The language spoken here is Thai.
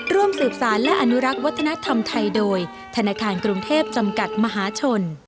ร่วมสืบสารและอนุรักษ์วัฒนธรรมไทยโดยธนาคารกรุงเทพจำกัดมหาชน